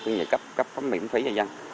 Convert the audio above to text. như vậy cấp miễn phí cho dân